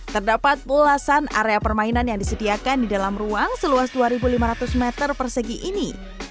terdapat pulasan area permainan yang disediakan di dalam ruang seluas dua lima ratus meter persegi ini